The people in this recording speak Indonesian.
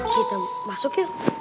kita masuk yuk